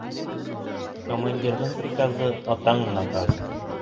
Командирҙың приказы атаң наказы.